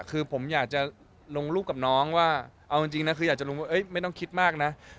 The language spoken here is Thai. คือผมอยากจะลงรูปกับน้องว่าเอาจริงนะคืออยากจะรู้ว่าไม่ต้องคิดมากนะ